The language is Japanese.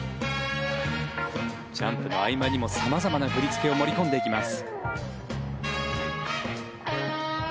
ジャンプの合間にも様々な振り付けを盛り込んでいきます。